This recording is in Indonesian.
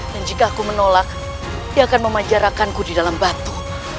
dan jika aku menolak dia akan memanjarakanku di dalam batu